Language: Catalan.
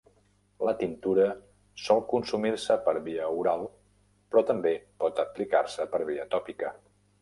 La tintura sol consumir-se per via oral però també pot aplicar-se per via tòpica.